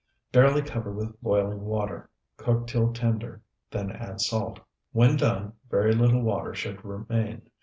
Barely cover with boiling water; cook till tender, then add salt. When done, very little water should remain.